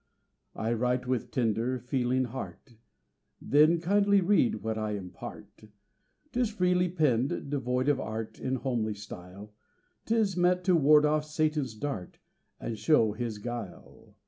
I write with tender, feeling heart Then kindly read what I impart; 'Tis freely penned, devoid of art, In homely style, 'Tis meant to ward off Satan's dart, And show his guile.